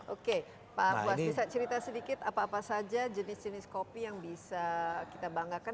oke pak buas bisa cerita sedikit apa apa saja jenis jenis kopi yang bisa kita banggakan